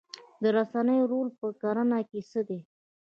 د رسنیو رول په کرنه کې څه دی؟